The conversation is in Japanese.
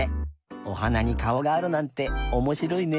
おはなにかおがあるなんておもしろいね。